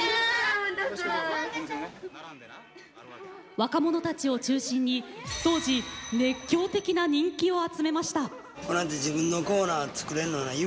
若者たちを中心に当時、熱狂的な人気を集めました。